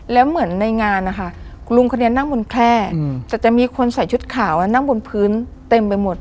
แล้วเหมือนในงานนะคะคุณลุงคนนี้นั่งบนแคล่แต่จะมีคนใส่ชุดขาวนั่งบนพื้นเต็มไปหมด